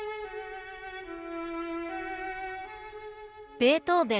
ベートーヴェン